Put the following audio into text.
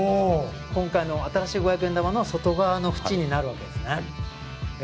今回の新しい５００円玉の外側の縁になるわけですねえ